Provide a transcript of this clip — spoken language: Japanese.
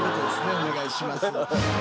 お願いします。